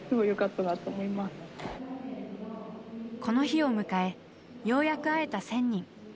この日を迎えようやく会えた１，０００人。